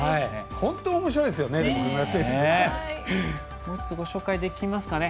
本当におもしろいですね。